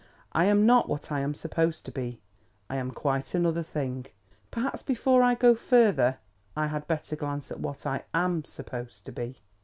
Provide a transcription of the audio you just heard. I am not what I am supposed to be. I am quite another thing. Perhaps before I go further, I had better glance at what I am supposed to be.